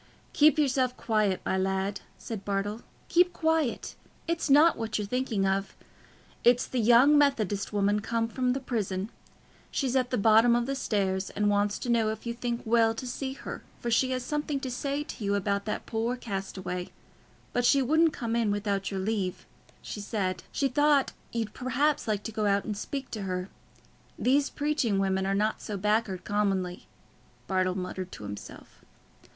"Keep yourself quiet, my lad," said Bartle; "keep quiet. It's not what you're thinking of. It's the young Methodist woman come from the prison. She's at the bottom o' the stairs, and wants to know if you think well to see her, for she has something to say to you about that poor castaway; but she wouldn't come in without your leave, she said. She thought you'd perhaps like to go out and speak to her. These preaching women are not so back'ard commonly," Bartle muttered to himself.